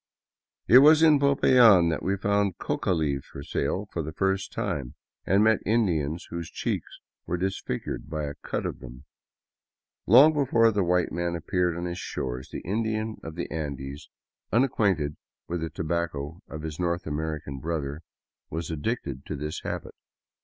It was in Popayan that we found coca leaves for sale for the first time, and met Indians whose^cheeks were disfigured by a cud of them. Long before the white man appeared on his shores, the Indian of the 92 DOWN THE ANDES TO QUITO Andes, unacquainted with the tobacco of his North American brother, was addicted to this habit.